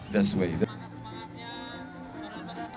mereka juga bergabung dengan asean games